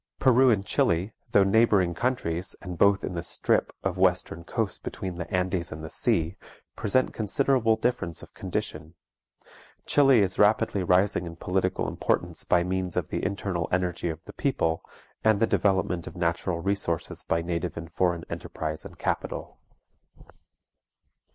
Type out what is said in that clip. Peru and Chili, though neighboring countries, and both in the strip of western coast between the Andes and the sea, present considerable difference of condition. Chili is rapidly rising in political importance by means of the internal energy of the people, and the development of natural resources by native and foreign enterprise and capital.